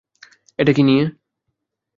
এটা কী নিয়ে?